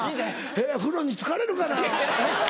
風呂につかれるかな？